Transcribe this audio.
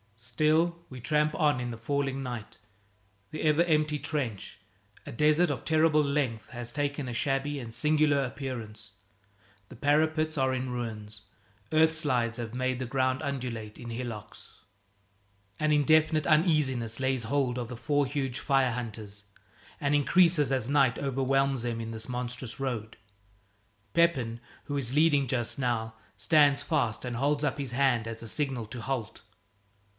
Still we tramp on in the falling night. The ever empty trench a desert of terrible length has taken a shabby and singular appearance. The parapets are in ruins; earthslides have made the ground undulate in hillocks. An indefinite uneasiness lays hold of the four huge fire hunters, and increases as night overwhelms them in this monstrous road. Pepin, who is leading just now, stands fast and holds up his hand as a signal to halt.